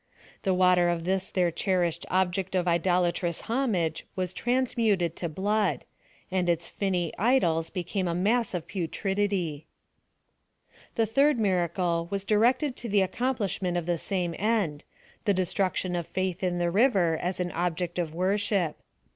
The water of this their cherished object of idolatrous homage was transmuted to blood; and its finny idols became a mass of putridity. The third miracle was directed to the accom plishment of the same end — the destruction of faith in the river as an object of worship.